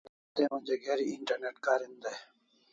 Shat'e onja geri internet karin dai